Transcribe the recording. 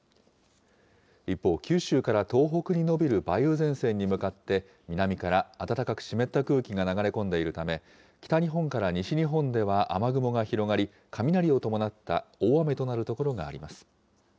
一方、九州から東北に延びる梅雨前線に向かって、南から暖かく湿った空気が流れ込んでいるため、北日本から西日本では雨雲が広がり、雷を伴った大雨となる所があります。